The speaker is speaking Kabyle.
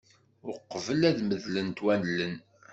Uqbel ad medlent walen.